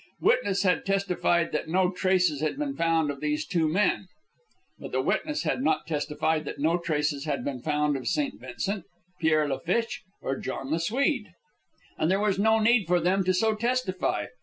Witness had testified that no traces had been found of these two men; but the witness had not testified that no traces had been found of St. Vincent, Pierre La Flitche, or John the Swede. And there was no need for them so to testify.